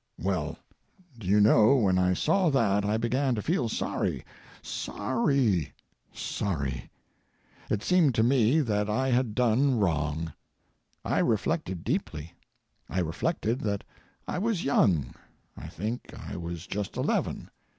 Well, do you know when I saw that I began to feel sorry—sorry—sorry. It seemed to me that I had done wrong. I reflected deeply. I reflected that I was young—I think I was just eleven.